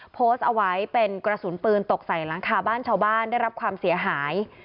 โพสต์เอาไว้เป็นกระสุนปืนตกใส่หลังคาบ้านชาวบ้านได้รับความเสียหาย